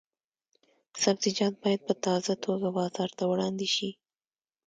سبزیجات باید په تازه توګه بازار ته وړاندې شي.